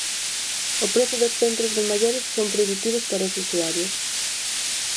O prezo dos centros de maiores son prohibitivos para os usuarios.